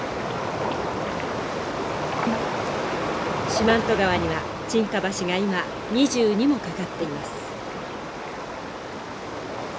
四万十川には沈下橋が今２２も架かっています。